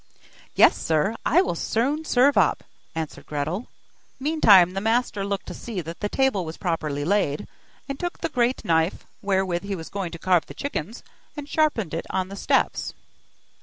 'Yes, sir, I will soon serve up,' answered Gretel. Meantime the master looked to see that the table was properly laid, and took the great knife, wherewith he was going to carve the chickens, and sharpened it on the steps.